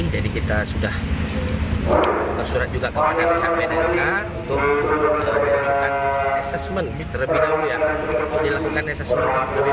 jadi kita sudah tersurat juga kepada pihak bnnk untuk dilakukan asesmen terpadu